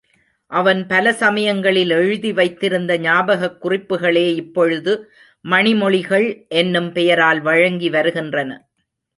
அவன் பல சமயங்களில் எழுதி வைத்திருத்த ஞாபகக் குறிப்புக்களே இப்பொழுது மணிமொழிகள் என்னும் பெயரால் வழங்கி வருகின்றன.